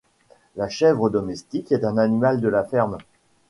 La chèvre domestique est un animal de la ferme